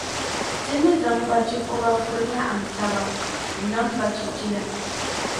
Ti ni zaŋ bachikɔba vuri laɣim taba n-nam bachijila.